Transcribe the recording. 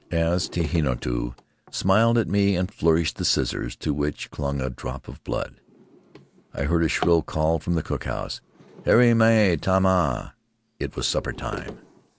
As Tehinatu smiled at me and flourished the scissors, to which clung a drop of blood, I heard a shrill call from the cook house, "Haere mai tamaa!' It was supper time.